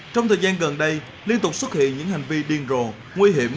trong thời gian gần đây liên tục xuất hiện những hành vi điên rồ nguy hiểm